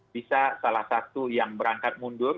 bisa salah satu yang berangkat mundur